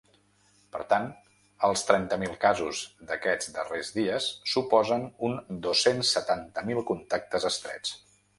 Per tant, els trenta mil casos d’aquests darrers dies suposen uns dos-cents setanta mil contactes estrets.